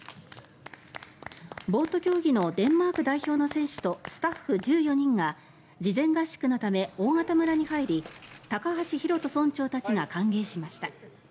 ボート競技のデンマーク代表の選手とスタッフ１４人が事前合宿のため大潟村に入り高橋浩人村長たちが歓迎しました。